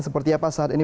seperti apa saat ini